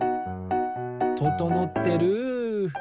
ととのってる！